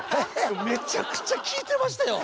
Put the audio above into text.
めちゃくちゃ聴いてましたよ！